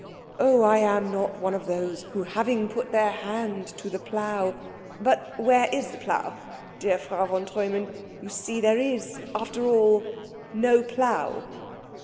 "Oh, I am not one of those who having put their hand to the plough " "But where is the plough, dear Frau von Treumann? You see there is, after all, no plough."